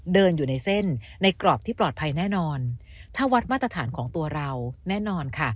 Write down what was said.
เดินอยู่ในเส้นในกรอบที่ปลอดภัยแน่นอนถ้าวัดมาตรฐานของตัวเราแน่นอนค่ะ